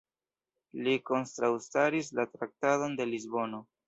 Li kontraŭstaris la Traktaton de Lisbono.